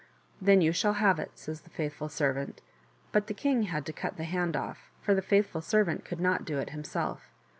" Then you shall have it," says the faithful servant ; but the king had to cut the hand off, for the faithful servant could not do it himself.